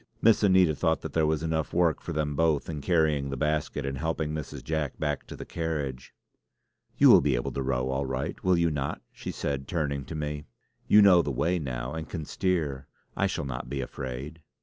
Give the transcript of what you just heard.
Miss Anita thought that there was enough work for them both in carrying the basket and helping Mrs. Jack back to the carriage. "You will be able to row all right, will you not?" she said, turning to me. "You know the way now and can steer. I shall not be afraid!"